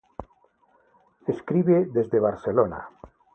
Escribe desde Barcelona.